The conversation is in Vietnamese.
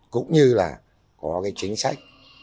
cũng như là có cái chính sách